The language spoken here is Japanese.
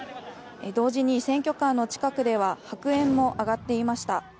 同時に選挙カーの近くでは白煙も上がっていました。